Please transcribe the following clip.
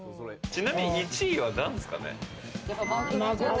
ちなみに１位はなんですかね？